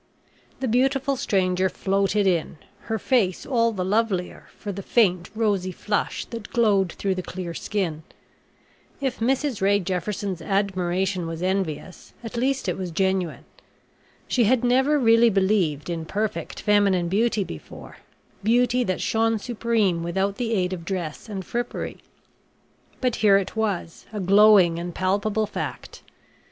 The beautiful stranger floated in her face all the lovelier for the faint rosy flush that glowed through the clear skin. If Mrs Ray Jefferson's admiration was envious, at least it was genuine. She had never really believed in perfect feminine beauty before beauty that shone supreme without the aid of dress and frippery but here it was a glowing and palpable fact.